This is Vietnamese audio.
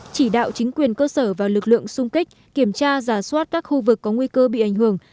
chỉ đạo chính quyền cơ sở và lực lượng sung kích kiểm tra giả soát các khu vực có nguy cơ bị ảnh hưởng